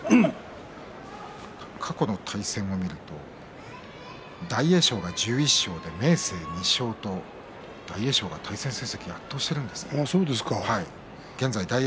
過去の対戦を見ると大栄翔が１１勝で明生２勝大栄翔が対戦成績圧倒しているんですね。